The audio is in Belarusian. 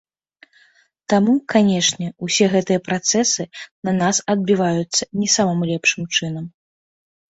Таму, канешне, усе гэтыя працэсы на нас адбіваюцца не самым лепшым чынам.